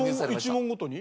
１問ごとに？